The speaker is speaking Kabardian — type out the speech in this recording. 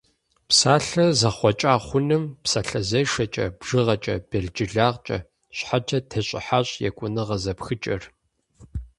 Псалъэр зэхъуэкӏа хъуным – псалъэзешэкӏэ, бжыгъэкӏэ, белджылагъкӏэ, щхьэкӏэ тещӏыхьащ екӏуныгъэ зэпхыкӏэр.